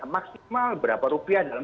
maksimal berapa rupiah dalam